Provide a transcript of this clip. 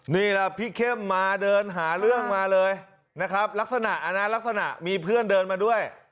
นี่แหละพี่เข้มมาเดินหาเรื่องมาเลยนะครับลักษณะมีเพื่อนเดินมาด้วย